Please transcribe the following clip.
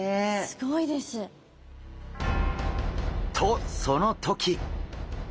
すごいです。とその時！